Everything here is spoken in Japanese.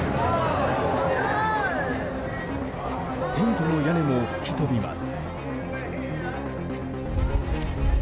テントの屋根も吹き飛びます。